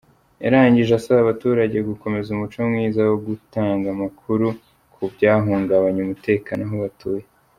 Yarangije asaba abaturage gukomeza umuco mwiza wo gutanga amakuru ku byahungabanya umutekano aho batuye.